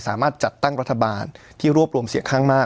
สามารถจัดตั้งรัฐบาลที่รวบรวมเสียงข้างมาก